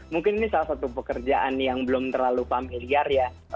mungkin ini salah satu pekerjaan yang belum terlalu familiar ya